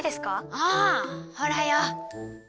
ああほらよ。